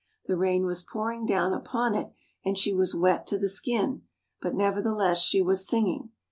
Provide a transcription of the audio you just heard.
The rain was pouring down upon it and she was wet to the skin, but nevertheless she was singing.